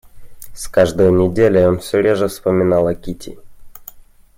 С каждою неделей он всё реже вспоминал о Кити.